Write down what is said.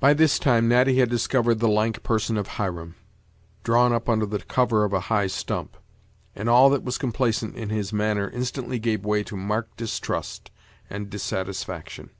By this time Natty had discovered the lank person of Hiram, drawn up under the cover of a high stump; and all that was complacent in his manner instantly gave way to marked distrust and dissatisfaction.